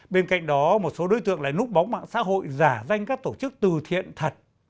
bên cạnh đó một số đối tượng lại núp bóng mạng xã hội giả danh các tổ chức từ thiện thật